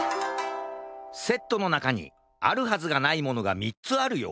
セットのなかにあるはずがないものが３つあるよ。